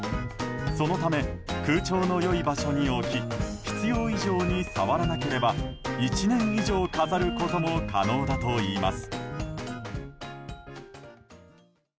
そのため、空調の良い場所に置き必要以上に触らなければ１年以上飾ることも可能だといいます。